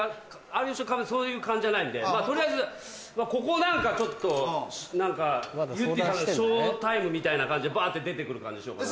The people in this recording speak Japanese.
そういう感じじゃないんでまぁ取りあえずここなんかちょっと何かゆってぃさんのショータイムみたいな感じでバって出てくる感じに。